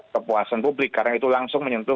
kepuasan publik karena itu langsung menyentuh